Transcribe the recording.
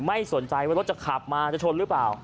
ไม่สนใจว่ารถจะขับมาจะชนหรือเปล่า